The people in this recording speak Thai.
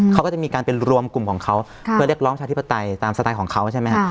เขาก็จะมีการเป็นรวมกลุ่มของเขาเพื่อเรียกร้องประชาธิปไตยตามสไตล์ของเขาใช่ไหมครับ